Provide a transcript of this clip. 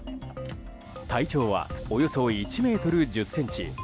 体長は、およそ１ｍ１０ｃｍ。